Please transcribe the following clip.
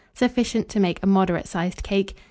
Sufficient to make a moderate sized cake.